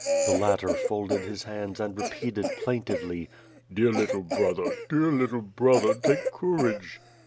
The latter folded his hands and repeated plaintively: "Dear little brother, dear little brother, take courage."